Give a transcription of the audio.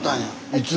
いつ？